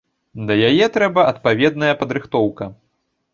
Да яе трэба адпаведная падрыхтоўка.